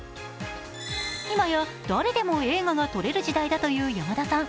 今や誰でも映画が撮れる時代だという山田さん。